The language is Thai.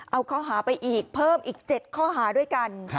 เอาข้อหาไปอีกเพิ่มอีก๗ข้อหาด้วยกัน